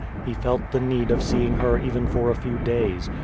He felt the need of seeing her even for a few days.